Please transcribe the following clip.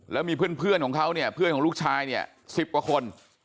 แล้วมีเพื่อนของเขาเพื่อนของลูกชาย๑๐กว่าคน